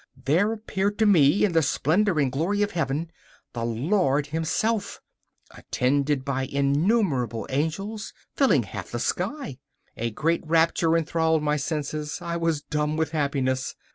there appeared to me in the splendour and glory of Heaven the Lord Himself, attended by innumerable angels, filling half the sky! A great rapture enthralled my senses; I was dumb with happiness.